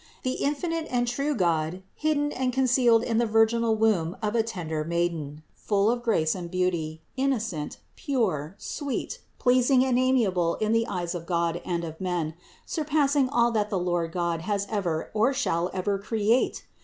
The infinite and true God hidden and concealed in the virginal womb of a tender Maiden, full of grace and beauty, inno cent, pure, sweet, pleasing and amiable in the eyes of God and of men, surpassing all that the Lord God has ever or shall ever create